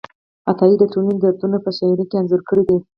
عطایي د ټولنې دردونه په شاعرۍ کې انځور کړي دي.